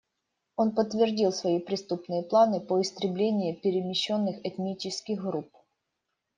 Он подтвердил свои преступные планы по истреблению перемещенных этнических групп.